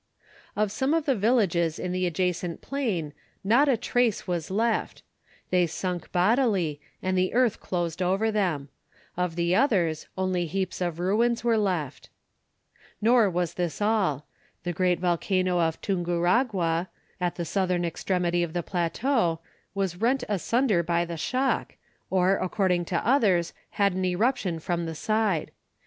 Of some of the villages in the adjacent plain not a trace was left. They sunk bodily, and the earth closed over them. Of the others, only heaps of ruins were left. [Illustration: AFTER THE SHOCK.] Nor was this all. The great volcano of Tunguragua, at the southern extremity of the plateau, was rent asunder by the shock, or, according to others, had an eruption from the side.